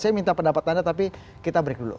saya minta pendapat anda tapi kita break dulu